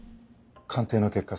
鑑定の結果